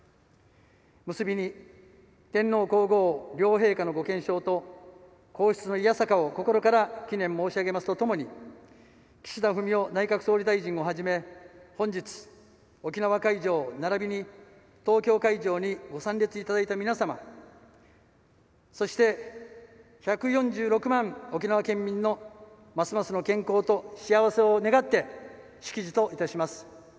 結びに天皇皇后両陛下の御健勝と皇室の弥栄を心から御祈念申し上げますとともに岸田文雄内閣総理大臣をはじめ本日、沖縄会場並びに東京会場に御参列いただいた皆様そして、１４６万沖縄県民のますますの健康と幸せを願って式辞といたします。